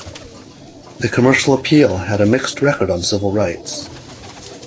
"The Commercial Appeal" had a mixed record on civil rights.